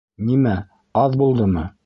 Нимә, аҙ булдымы?